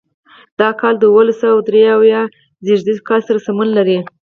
دا کال د اوولس سوه درې اویا زېږدیز کال سره سمون لري.